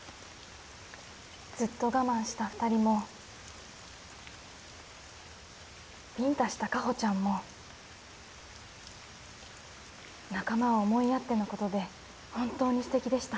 ずっと我慢した２人もビンタした夏帆ちゃんも仲間を思いやってのことで本当にすてきでした。